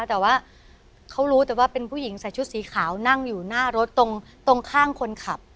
แต่ว่าเขารู้แต่ว่าเป็นผู้หญิงใส่ชุดสีขาวนั่งอยู่หน้ารถตรงข้างคนขับ